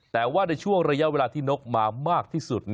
แต่ว่าในช่วงระยะเวลาที่นกมามากที่สุด